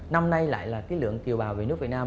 năm nay lại là cái lượng kiều bào về nước việt nam